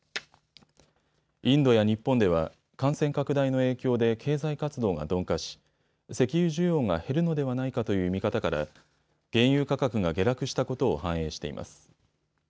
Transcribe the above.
インドや日本では感染拡大の影響で経済活動が鈍化し石油需要が減るのではないかという見方から原油価格が下落したことを反映しています。